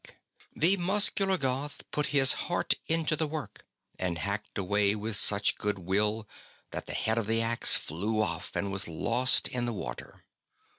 BENEDICT 47 The muscular Goth put his heart into the work, and hacked away with such goodwill that the head of the axe flew off and was lost in the water.